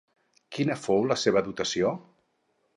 Quina fou la seva dotació?